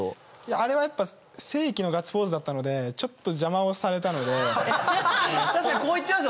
あれは正規のガッツポーズだったのでちょっと、邪魔をされたので。